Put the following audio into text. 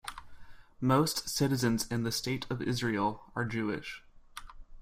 Most citizens in the State of Israel are Jewish.